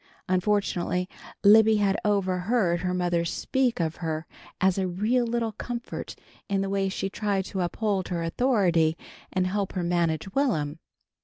Unfortunately Libby had overheard her mother speak of her as a real little comfort in the way she tried to uphold her authority and help her manage Will'm.